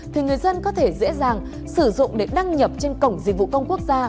thì người dân có thể dễ dàng sử dụng để đăng nhập trên cổng dịch vụ công quốc gia